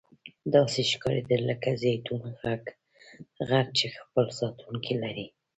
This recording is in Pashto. داسې ښکاریدل لکه زیتون غر چې خپل ساتونکي لري.